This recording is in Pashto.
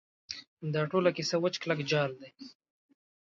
دا ټوله کیسه وچ کلک جعل دی.